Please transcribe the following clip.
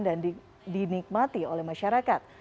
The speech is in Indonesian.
dan dinikmati oleh masyarakat